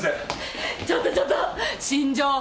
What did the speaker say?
ちょっとちょっと新情報。